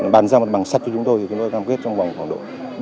bàn ra mặt bằng sắt cho chúng tôi thì chúng tôi cam kết trong vòng khoảng độ